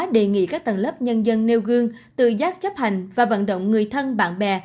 đề nghị các tầng lớp nhân dân nêu gương tự giác chấp hành và vận động người thân bạn bè